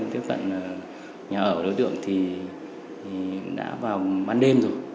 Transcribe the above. tiếp cận nhà ở đối tượng thì đã vào ban đêm rồi